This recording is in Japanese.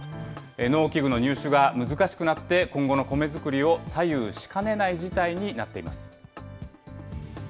農機具の入手が難しくなって、今後のコメ作りを左右しかねない事態になっています。